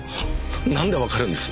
なんでわかるんです？